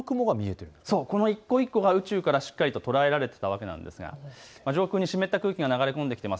この一個一個が宇宙からしっかりと捉えられていたわけですが、上空に湿った空気が流れ込んできています。